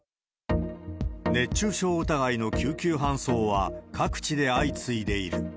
熱中症疑いの救急搬送は、各地で相次いでいる。